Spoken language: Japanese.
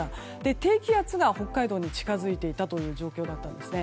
低気圧が北海道に近づいていたという状況だったんですね。